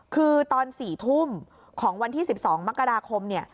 คือตอน๔ทุ่มของวันที่๑๒มกราคมเนี่ย